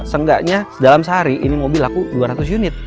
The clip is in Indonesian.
seenggaknya dalam sehari ini mobil laku dua ratus unit